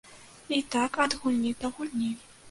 І так ад гульні да гульні.